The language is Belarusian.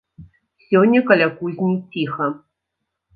Сёння каля кузні ціха.